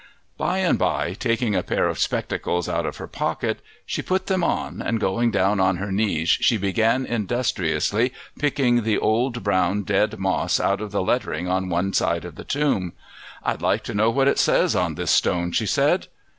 By and by, taking a pair of spectacles out of her pocket, she put them on, and going down on her knees she began industriously picking the old, brown, dead moss out of the lettering on one side of the tomb. "I'd like to know what it says on this stone," she said.